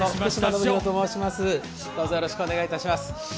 どうぞよろしくお願い致します。